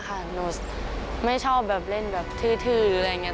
หนูไม่ชอบแบบเล่นแบบทื้ออะไรอย่างนี้